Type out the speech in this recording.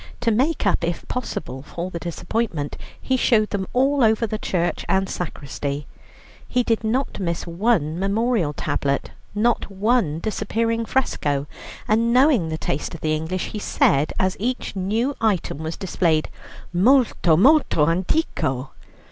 To make up, if possible, for the disappointment, he showed them all over the church and sacristy; he did not miss one memorial tablet, not one disappearing fresco, and knowing the taste of the English, he said, as each new item was displayed: "Molto, molto antiquo."